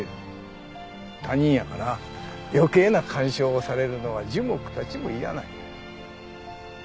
他人やから余計な干渉をされるのは樹木たちも嫌なんや。